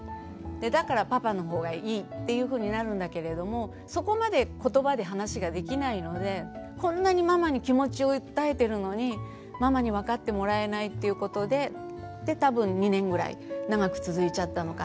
だからパパの方がいいっていうふうになるんだけれどもそこまで言葉で話ができないのでこんなにママに気持ちを訴えてるのにママに分かってもらえないっていうことで多分２年ぐらい長く続いちゃったのかなっていうふうには思うんですよね。